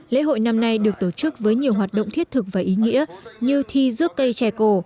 lễ hội năm nay được tổ chức với nhiều hoạt động thiết thực và ý nghĩa như thi rước cây trẻ cổ